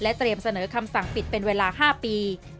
เตรียมเสนอคำสั่งปิดเป็นเวลา๕ปี